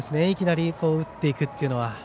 いきなり打っていくというのは。